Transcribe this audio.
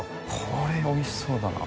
これおいしそうだな。